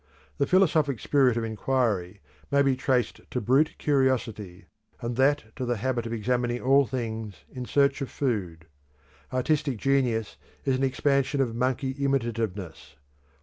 The philosophic spirit of inquiry may be traced to brute curiosity, and that to the habit of examining all things in search of food. Artistic genius is an expansion of monkey imitativeness.